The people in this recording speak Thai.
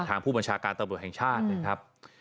ทางผู้บัญชาการตำรวจแห่งชาตินะครับ